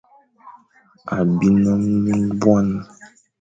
A bin nbuan.